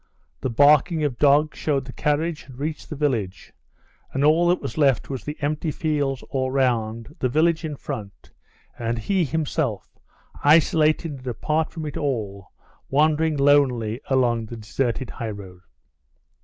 The barking of dogs showed the carriage had reached the village, and all that was left was the empty fields all round, the village in front, and he himself isolated and apart from it all, wandering lonely along the deserted highroad.